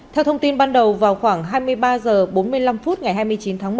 theo thông tin ban đầu vào khoảng hai mươi ba h bốn mươi năm phút ngày hai mươi chín tháng một